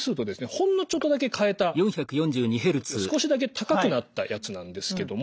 ほんのちょっとだけ変えた振動数が少しだけ高くなったやつなんですけども。